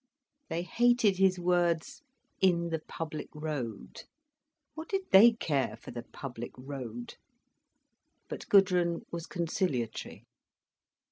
They hated his words "in the public road." What did they care for the public road? But Gudrun was conciliatory.